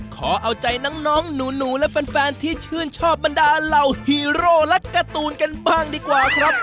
ขอเอาใจน้องหนูและแฟนที่ชื่นชอบบรรดาเหล่าฮีโร่และการ์ตูนกันบ้างดีกว่าครับ